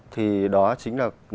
thì đó chính là nội dung